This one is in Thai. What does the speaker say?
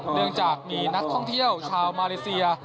เนื่องจากมีนักท่องเที่ยวชาวมาเลเซีย